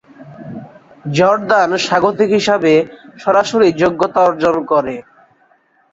Jordan স্বাগতিক হিসাবে সরাসরি যোগ্যতা অর্জন করে।